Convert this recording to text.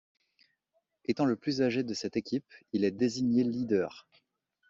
Étant le plus âgé de cette équipe, il est désigné leader.